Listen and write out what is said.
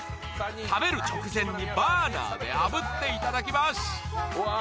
食べる直前にバーナーで炙って頂きますわあ！